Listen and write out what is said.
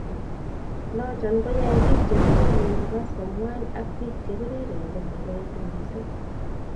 Notok koyae piik che tuone kokas ko ngwan ak piik che piriren kobaibaitu mising'